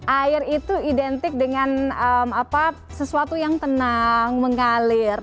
air itu identik dengan sesuatu yang tenang mengalir